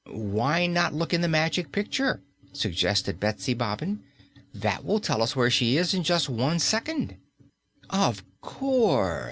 "Why not look in the Magic Picture?" suggested Betsy Bobbin. "That will tell us where she is in just one second." "Of course!"